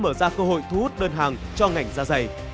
hội nhập kinh tế quốc tế đã mở ra cơ hội thu hút đơn hàng cho ngành da dày